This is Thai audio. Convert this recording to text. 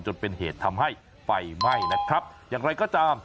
จนเป็นเหตุทำให้ไฟไหม้นะครับอย่างไรก็ตาม